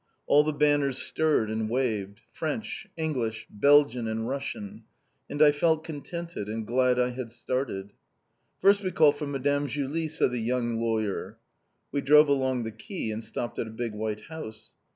All the banners stirred and waved. French, English, Belgian and Russian. And I felt contented, and glad I had started. "First we call for Madame Julie!" said the young lawyer. We drove along the quay, and stopped at a big white house.